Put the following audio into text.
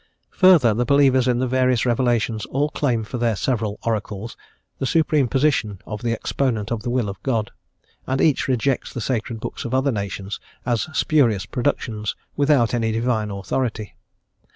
Further, the believers in the various revelations all claim for their several oracles the supreme position of the exponent of the Will of God, and each rejects the sacred books of other nations as spurious productions, without any Divine authority.